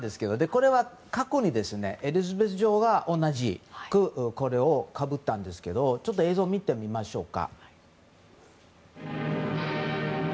これは過去にエリザベス女王が同じくこれをかぶったんですけどちょっと映像を見てみましょうか。